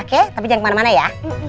oke tapi jangan kemana mana ya